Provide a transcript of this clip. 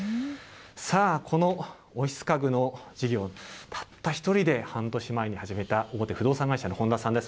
さあ、このオフィス家具の事業、たった一人で、半年前に始めた大手不動産会社の本田さんです。